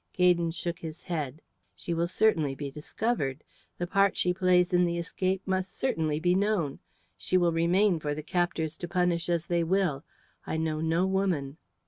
Gaydon shook his head. "She will certainly be discovered. The part she plays in the escape must certainly be known. She will remain for the captors to punish as they will. I know no woman."